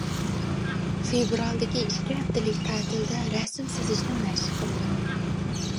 فېۋرالدىكى ئىككى ھەپتىلىك تەتىلدە رەسىم سىزىشنى مەشىق قىلىمەن.